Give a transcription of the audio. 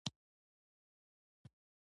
کروندګر باید د نوو ټکنالوژیو څخه ګټه پورته کړي.